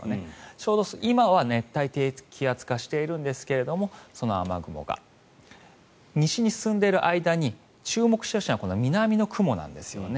ちょうど今は熱帯低気圧化しているんですがその雨雲が西に進んでいる間に注目してほしいのはこの南の雲なんですよね。